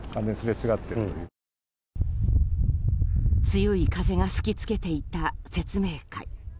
強い風が吹きつけていた説明会。